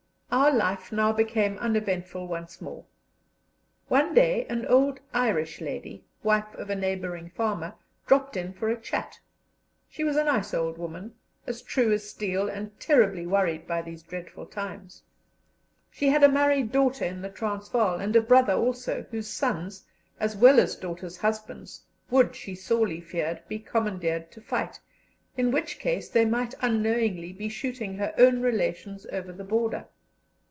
Our life now became uneventful once more. One day an old Irish lady, wife of a neighbouring farmer, dropped in for a chat. She was a nice old woman, as true as steel, and terribly worried by these dreadful times. She had a married daughter in the Transvaal, and a brother also, whose sons, as well as daughters' husbands, would, she sorely feared, be commandeered to fight, in which case they might unknowingly be shooting their own relations over the border.